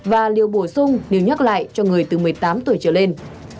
và liều bổ sung liều nhắc lại cho người từ một mươi tám tuổi trở lên